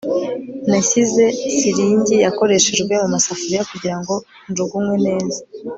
nashyize siringi yakoreshejwe mumasafuriya kugirango njugunywe neza